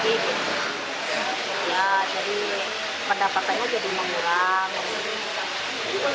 ya jadi pendapatannya jadi mengurangi